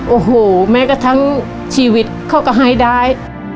โอ้โหแม้กระทั่งชีวิตเขาก็ให้ได้